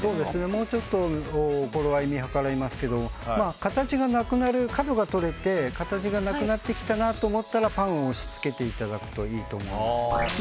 もうちょっと頃合を見計らいますけど角が取れて形がなくなってきたなと思ったらパンを押し付けていただくといいと思います。